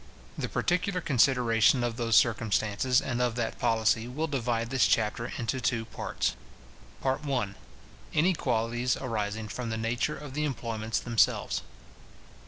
The particular consideration of those circumstances, and of that policy, will divide this Chapter into two parts. PART I. Inequalities arising from the nature of the employments themselves.